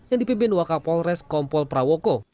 yang dipimpin wakal polres kompol prawoko